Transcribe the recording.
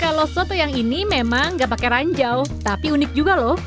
kalau soto yang ini memang gak pakai ranjau tapi unik juga loh